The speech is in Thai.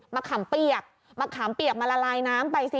ขำเปียกมะขามเปียกมาละลายน้ำไปสิ